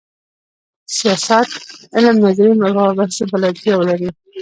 سیاست علم نظري مباحثو بلدتیا ولري.